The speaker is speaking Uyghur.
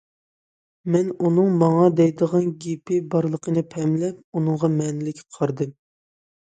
مەن ئۇنىڭ ماڭا دەيدىغان گېپى بارلىقىنى پەملەپ، ئۇنىڭغا مەنىلىك قارىدىم.